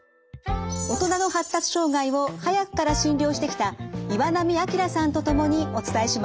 大人の発達障害を早くから診療してきた岩波明さんと共にお伝えします。